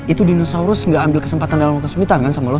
itu dinosaurus gak ambil kesempatan dalam kesulitan kan sama allah